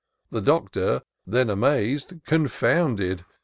The Doctor then, amaz'd — confounded.